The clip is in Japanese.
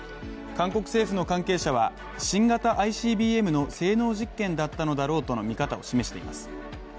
韓国政府の関係者は、新型ＩＣＢＭの性能実験だったのだろうという見方を示しています。